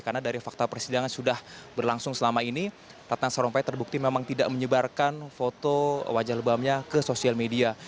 karena dari fakta persidangan sudah berlangsung selama ini ratang sarumpait terbukti memang tidak menyebarkan foto wajah lebamnya ke sosial media